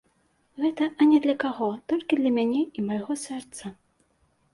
Гэта ані для каго, толькі для мяне і майго сэрца.